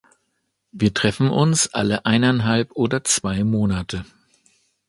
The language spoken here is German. Wir treffen uns alle eineinhalb oder zwei Monate.